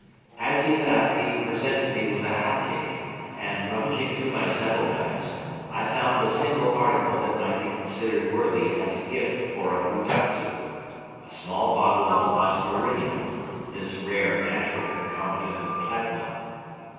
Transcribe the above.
As he left he presented me with a hatyk and, rummaging through my saddle bags, I found a single article that might be considered worthy as a gift for a Hutuktu, a small bottle of osmiridium, this rare, natural concomitant of platinum.